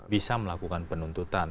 bisa melakukan penuntutan